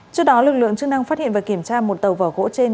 trước đó lực lượng chức năng phát hiện và kiểm tra một tàu vỏ gỗ trên